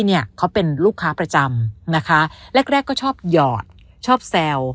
เนี่ยเขาเป็นลูกค้าประจำนะคะแรกแรกก็ชอบหยอดชอบแซว